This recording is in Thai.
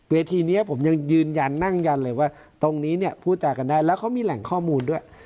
ทีนี้ผมยังยืนยันนั่งยันเลยว่าตรงนี้เนี่ยพูดจากันได้แล้วเขามีแหล่งข้อมูลด้วย